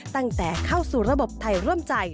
ตั้งแต่เข้าสู่ระบบไทยร่วมใจ